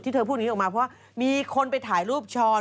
เธอพูดอย่างนี้ออกมาเพราะว่ามีคนไปถ่ายรูปช้อน